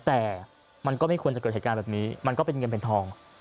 แต่มันก็ไม่ควรจะเกิดเหตุการณ์แบบนี้มันก็เป็นเงินเป็นทอง